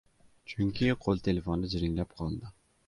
Chunki qoʻl telefoni jiringlab qoldi.